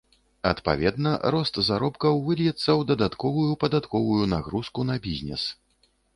Адпаведна, рост заробкаў выльецца ў дадатковую падатковую нагрузку на бізнес.